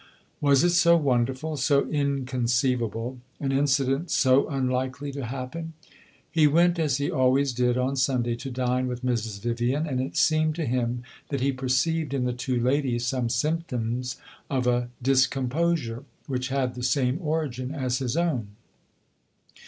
Was it so wonderful, so inconceivable, an incident so unlikely to happen? He went, as he always did on Sunday, to dine with Mrs. Vivian, and it seemed to him that he perceived in the two ladies some symptoms of a discomposure which had the same origin as his own.